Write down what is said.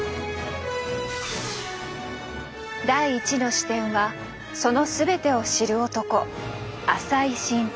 第１の視点はその全てを知る男浅井愼平。